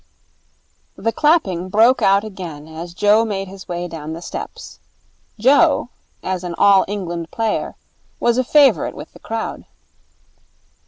The clapping broke out again as Joe made his way down the steps. Joe, as an All England player, was a favourite with the crowd.